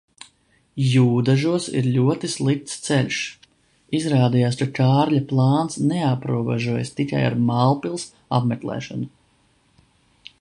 Jūdažos ir ļoti slikts ceļš. Izrādījās, ka Kārļa plāns neaprobežojas tikai ar Mālpils apmeklēšanu.